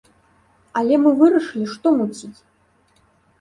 Але мы вырашылі, што муціць?